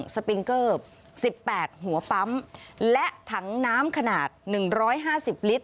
สปิงเกอร์๑๘หัวปั๊มและถังน้ำขนาด๑๕๐ลิตร